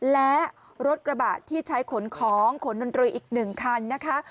และรถกระบะที่ใช้ขนของขนดนตรีอีก๑คันนะคะ